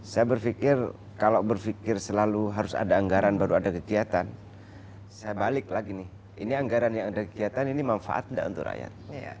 saya berpikir kalau berpikir selalu harus ada anggaran baru ada kegiatan saya balik lagi nih ini anggaran yang ada kegiatan ini manfaat tidak untuk rakyat